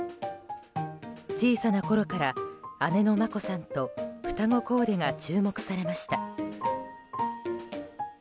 小さなころから姉の眞子さんと双子コーデが注目されました。